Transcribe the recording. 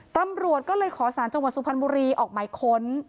ตำรวจก็เลยขอสารจังหวัดสุพรรณบุรีออกหมายค้น